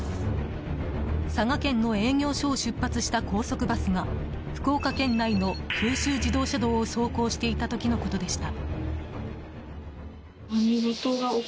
佐賀県の営業所を出発した高速バスが福岡県内の九州自動車道を走行していた時のことでした。